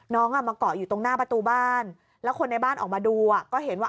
น้องมาเกาะอยู่ตรงหน้าประตูบ้านแล้วคนในบ้านออกมาดูก็เห็นว่า